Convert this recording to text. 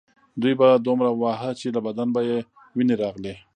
دوی به دومره واهه چې له بدن به یې وینې راغلې